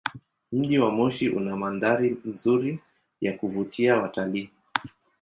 Mji wa Moshi una mandhari nzuri ya kuvutia watalii.